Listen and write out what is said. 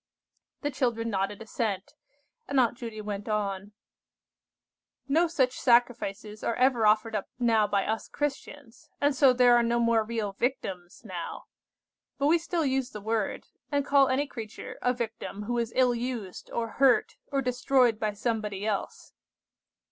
The children nodded assent, and Aunt Judy went on:— "No such sacrifices are ever offered up now by us Christians, and so there are no more real victims now. But we still use the word, and call any creature a victim who is ill used, or hurt, or destroyed by somebody else.